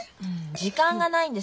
時間がないんです。